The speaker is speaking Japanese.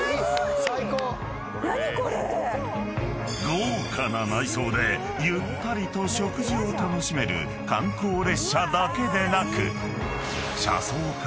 ［豪華な内装でゆったりと食事を楽しめる観光列車だけでなく車窓からの絶景が楽しめる